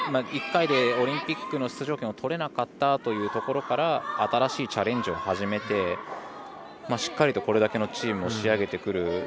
１回でオリンピックの出場権を取れなかったというところから新しいチャレンジを始めてしっかりと、これだけのチームを仕上げてくる。